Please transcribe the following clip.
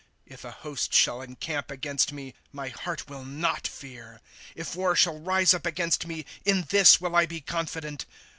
^ If a host shall encamp against me, My heart will not fear ; If war shall rise up against me. In this will I be confident.